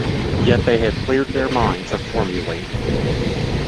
Yet they had cleared their minds of formulae!